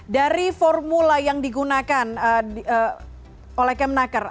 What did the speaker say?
dari formula yang digunakan oleh kemnaker